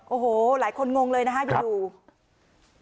โอ้โหหลายคนงงเลยนะฮะอยู่